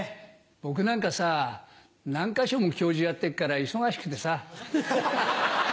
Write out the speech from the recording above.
僕なんかさ何か所も教授やってっから忙しくてさ。